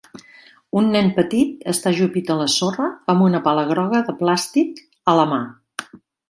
Un nen petit està ajupit a la sorra amb una pala groga de plàstic a la mà.